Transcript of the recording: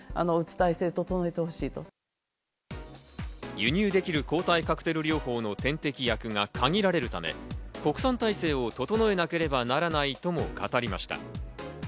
輸入できる抗体カクテル療法の点滴薬が限られるため、国産体制を整えなければならないとも語りました。